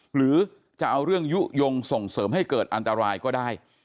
หรือจะเอาเรื่องยุโยงส่งเสริมให้เกิดอันตรายก็ได้